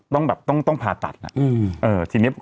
ต้องต้องต้องผ่าตัดแล้ว